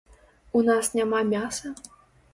У нас няма мяса?